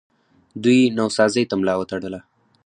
دوی نوسازۍ ته ملا وتړله